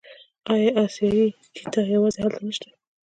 آیا اسیایي چیتا یوازې هلته نشته؟